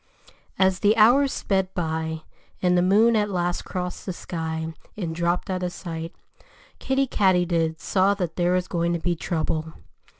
As the hours sped by and the moon at last crossed the sky and dropped out of sight, Kiddie Katydid saw that there was going to be trouble.